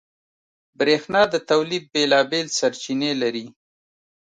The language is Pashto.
برېښنا د تولید بېلابېل سرچینې لري.